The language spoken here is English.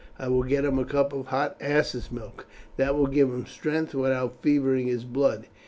I will get him a cup of hot ass's milk; that will give him strength without fevering his blood.